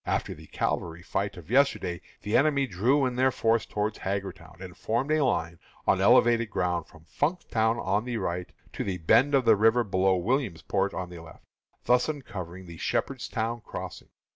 After the cavalry fight of yesterday the enemy drew in their forces towards Hagerstown, and formed a line on elevated ground from Funkstown on the right to the bend of the river below Williamsport on the left, thus uncovering the Shepherdstown crossing.